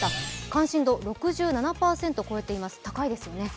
関心度６７％を超えています、高いですよね。